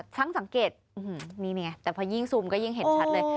สังเกตนี่ไงแต่พอยิ่งซูมก็ยิ่งเห็นชัดเลย